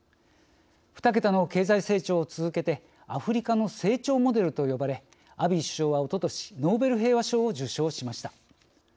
２桁の経済成長を続けてアフリカの成長モデルと呼ばれアビー首相はおととしノーベル平和賞を受賞しました。